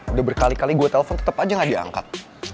udah berkali kali gue telpon tetep aja gak diangkat